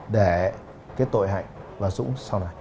để cái tội hạnh và dũng sau này